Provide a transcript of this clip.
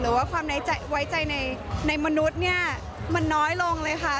ว่าความไว้ใจในมนุษย์เนี่ยมันน้อยลงเลยค่ะ